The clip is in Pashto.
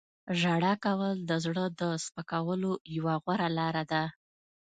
• ژړا کول د زړه د سپکولو یوه غوره لاره ده.